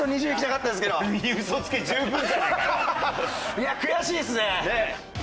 いや悔しいですね。